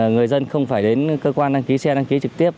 người dân không phải đến cơ quan đăng ký xe đăng ký trực tiếp